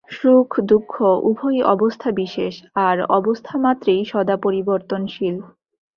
সুখ-দুঃখ উভয়ই অবস্থাবিশেষ, আর অবস্থামাত্রেই সদা পরিবর্তনশীল।